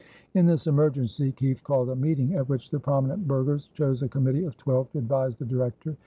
In this emergency Kieft called a meeting at which the prominent burghers chose a committee of twelve to advise the Director.